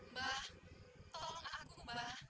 mbah tolong aku mbah